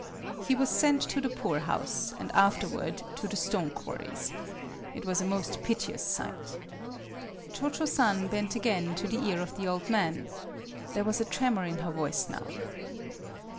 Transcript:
He was sent to the poorhouse, and afterward to the stone quarries. It was a most piteous sight." Cho Cho San bent again to the ear of the old man. There was a tremor in her voice now.